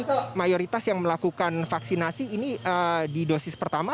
jadi mayoritas yang melakukan vaksinasi ini di dosis pertama